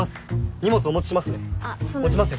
荷物お持ちしますね持ちますよ。